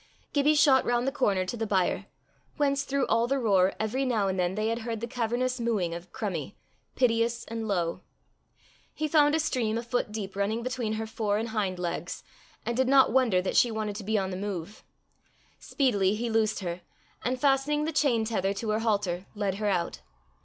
Gibbie shot round the corner to the byre, whence through all the roar, every now and then they had heard the cavernous mooing of Crummie, piteous and low. He found a stream a foot deep running between her fore and hind legs, and did not wonder that she wanted to be on the move. Speedily he loosed her, and fastening the chain tether to her halter, led her out.